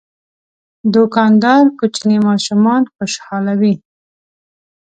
دوکاندار کوچني ماشومان خوشحالوي.